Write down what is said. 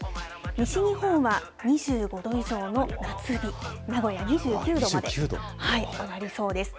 西日本は２５度以上の夏日、名古屋２９度まで上がりそうです。